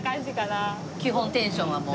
基本テンションはもう。